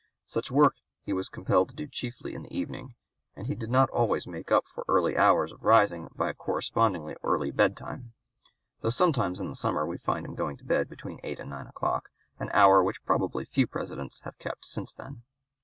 Such work he was compelled to do chiefly in the evening; and he did not always make up for early hours of rising by a correspondingly early bedtime; though sometimes in the summer we find him going to bed between eight and nine o'clock, an hour which probably few Presidents have kept since then.